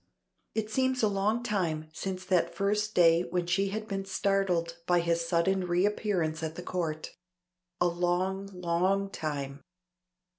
It seems a long time since that first day when she had been startled by his sudden reappearance at the Court. A long, long time.